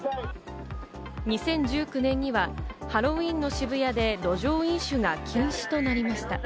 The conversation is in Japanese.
２０１９年にはハロウィーンの渋谷で路上飲酒が禁止となりました。